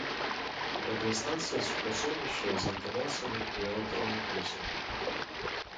Радыёстанцыя супрацоўнічае з выканаўцамі і аўтарамі песень.